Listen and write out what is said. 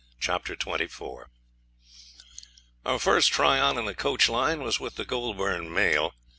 Chapter 24 Our first try on in the coach line was with the Goulburn mail.